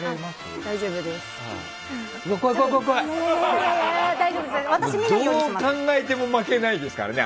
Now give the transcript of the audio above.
どう考えても負けないですからね